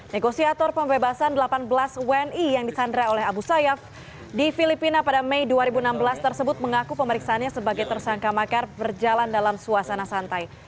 negosiator pembebasan delapan belas wni yang disandra oleh abu sayyaf di filipina pada mei dua ribu enam belas tersebut mengaku pemeriksaannya sebagai tersangka makar berjalan dalam suasana santai